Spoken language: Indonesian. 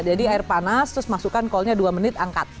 jadi air panas terus masukkan kolnya dua menit angkat